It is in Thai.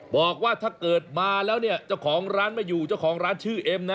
บอกว่าถ้าเกิดมาแล้วเนี่ยเจ้าของร้านไม่อยู่เจ้าของร้านชื่อเอ็มนะ